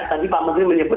tadi pak menteri menyebut